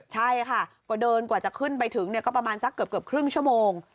ใช่ค่ะก็เดินกว่าจะขึ้นไปถึงก็ประมาณสักเกือบครึ่งชั่วโมง